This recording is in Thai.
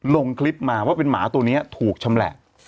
ลงคลิปมาว่าเป็นหมาตัวนี้ถูกชำแหละ